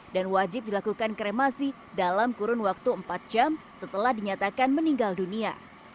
dan wajib dilakukan kremasi dalam kurun waktu empat jam setelah dinyatakan meninggal dunia